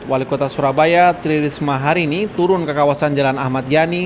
wali kota surabaya tri risma hari ini turun ke kawasan jalan ahmad yani